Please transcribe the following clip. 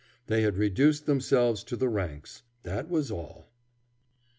They had reduced themselves to the ranks that was all.